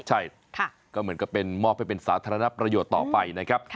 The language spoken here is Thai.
ใช่ก็เหมือนกับเป็นมอบให้เป็นสาธารณประโยชน์ต่อไปนะครับ